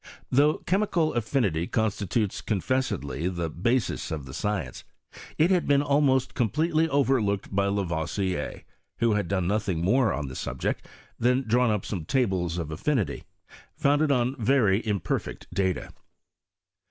Though chemical affinity consti tutes confessedly the basis of the science, it had been almost completely overlooked by Lavoisier, who had done nothing more on the subject than drawn up some tables of affinity, founded on very imperfect data.